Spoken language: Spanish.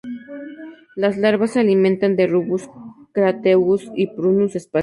Las larvas se alimentan en "Rubus", "Crataegus" y "Prunus" especie.